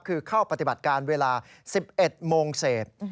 คือเข้าปฏิบัติการเวลา๑๑โมงเศษ